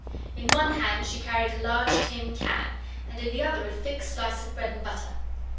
In one hand she carried a large tin can, and in the other a thick slice of bread and butter.